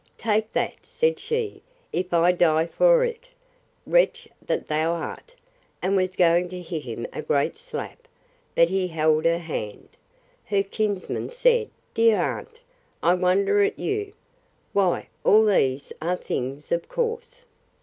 —Take that, said she, if I die for it, wretch that thou art! and was going to hit him a great slap; but he held her hand. Her kinsman said, Dear aunt, I wonder at you! Why, all these are things of course.